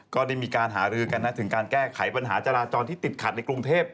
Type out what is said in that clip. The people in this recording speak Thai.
ก็ได้มีการหารือกันนะถึงการแก้ไขปัญหาจราจรที่ติดขัดในกรุงเทพ